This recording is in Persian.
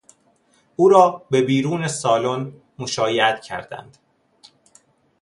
او را به بیرون سالن مشایعت کردند